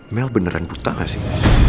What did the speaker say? mel beneran putar gak sih